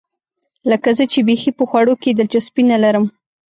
لکه زه چې بیخي په خوړو کې دلچسپي نه لرم.